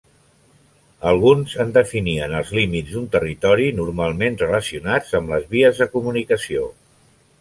Alguns en definien els límits d'un territori, normalment relacionats amb les vies de comunicació.